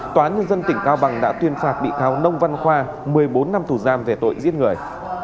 tòa nhân dân tỉnh cao bằng đã tuyên phạt bị cáo nông văn khoa một mươi bốn năm tù giam về tội giết người